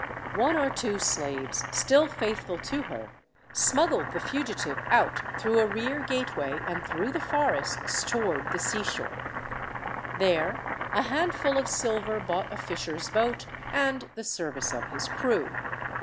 One or two slaves, still faithful to her, smuggled the fugitive out through a rear gateway and through the forests toward the sea HELEN OF TROY 85 shore. There, a handful of silver bought a fisher's boat and the service of his crew.